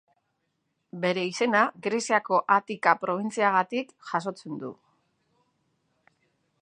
Bere izena Greziako Atika probintziagatik jasotzen du.